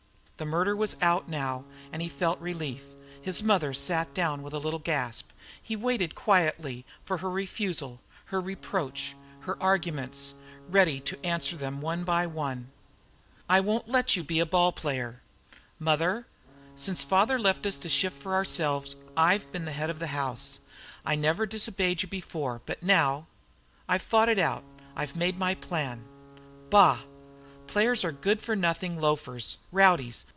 The murder was out now and he felt relief. His mother sat down with a little gasp. He waited quietly for her refusal, her reproach, her arguments, ready to answer them one by one. "I won't let you be a ball player." "Mother, since father left us to shift for ourselves I've been the head of the house. I never disobeyed you before, but now I've thought it out. I've made my plan." "Bah. Players are good for nothing loafers, rowdies.